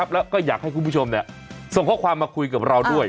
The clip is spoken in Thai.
แล้วก็อยากให้คุณผู้ชมส่งข้อความมาคุยกับเราด้วย